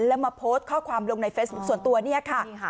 แล้วมาโพสต์ข้อความลงในเฟซบุ๊คส่วนตัวเนี่ยค่ะ